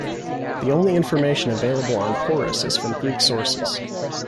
The only information available on Porus is from Greek sources.